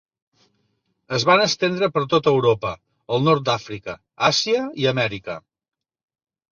Es van estendre per tot Europa, el nord d'Àfrica, Àsia i Amèrica.